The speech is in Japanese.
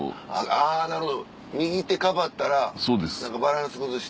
あぁなるほど右手かばったらバランス崩して。